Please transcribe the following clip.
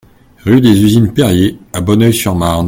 Rue des Usines Périer à Bonneuil-sur-Marne